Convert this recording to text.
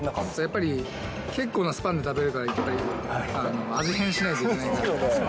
やっぱり結構なスパンで食べるからやっぱり、味変しないといけないから。